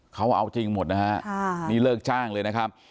เขาเอาจริงหมดนะฮะนี่เลิกจ้างเลยนะครับ